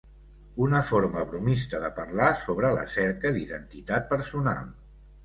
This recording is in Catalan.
Una forma bromista de parlar sobre la cerca d'identitat personal.